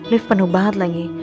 lift penuh banget lagi